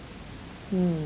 sencen juga adalah dari